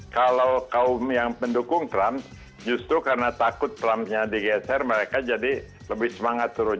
kalau kaum yang mendukung trump justru karena takut trumpnya digeser mereka jadi lebih semangat turun